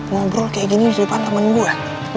ngobrol kayak gini di depan temen gue